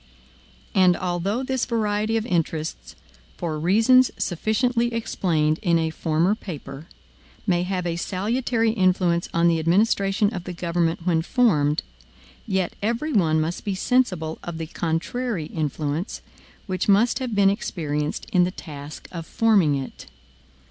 And although this variety of interests, for reasons sufficiently explained in a former paper, may have a salutary influence on the administration of the government when formed, yet every one must be sensible of the contrary influence, which must have been experienced in the task of forming it.